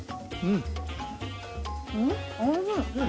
おいしい。